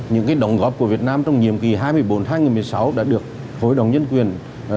những đồng góp của việt nam trong nhiệm kỳ hai nghìn một mươi bốn hai nghìn một mươi sáu đã được hội đồng nhân quyền